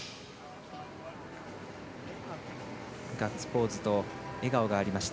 ガッツポーズと笑顔がありました。